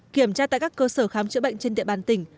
kiểm tra tại các cơ sở khám chữa bệnh trên địa bàn tỉnh